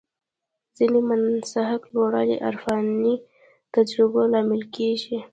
ځینې مناسک د لوړو عرفاني تجربو لامل کېږي.